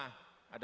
atau ada borbongsi